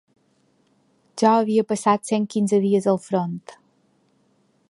Jo havia passat cent quinze dies al front